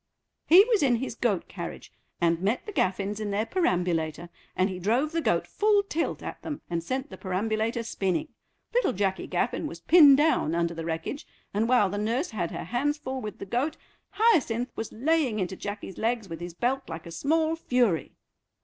"He was in his goat carriage, and met the Gaffins in their perambulator, and he drove the goat full tilt at them and sent the perambulator spinning. Little Jacky Gaffin was pinned down under the wreckage, and while the nurse had her hands full with the goat Hyacinth was laying into Jacky's legs with his belt like a small fury."